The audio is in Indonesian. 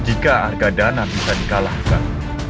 jika harga dana bisa dikalahkan